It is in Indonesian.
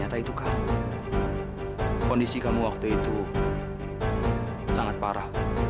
kan tete janji buat jagain maya